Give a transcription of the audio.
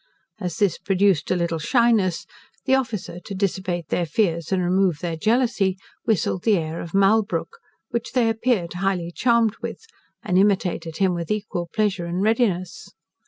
As this produced a little shyness, the officer, to dissipate their fears and remove their jealousy, whistled the air of Malbrooke, which they appeared highly charmed with, and imitated him with equal pleasure and readiness.